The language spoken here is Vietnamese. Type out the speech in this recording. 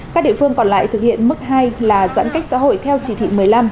các địa phương còn lại thực hiện mức hai là giãn cách xã hội theo chỉ thị một mươi năm